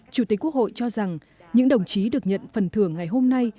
chủ tịch quốc hội cho rằng những đồng chí được nhận phần thưởng ngày hôm nay